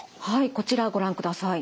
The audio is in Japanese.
こちらご覧ください。